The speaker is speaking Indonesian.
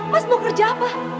mas mau kerja apa